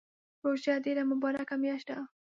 روژه ډیره مبارکه میاشت ده